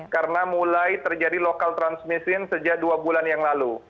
karena mulai terjadi lokal transmisi sejak dua bulan yang lalu